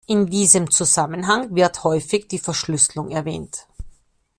In diesem Zusammenhang wird häufig die Verschlüsselung erwähnt.